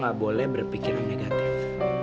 gue gak boleh berpikir yang negatif